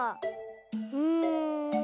うん。